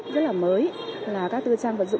rất là mới là các tư trang vật dụng